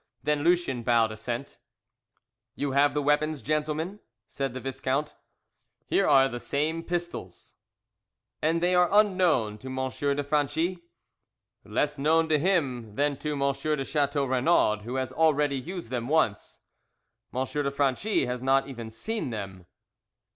Then Lucien bowed assent. "You have the weapons, gentlemen?" said the Viscount. "Here are the same pistols." "And they are unknown to M. de Franchi?" "Less known to him than to M. de Chateau Renaud who has already used them once. M. de Franchi has not even seen them."